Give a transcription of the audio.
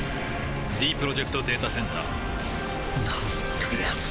ディープロジェクト・データセンターなんてやつなんだ